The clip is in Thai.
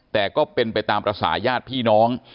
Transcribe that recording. แต่ก็เป็นไปตามภาษาญาติพี่น้อง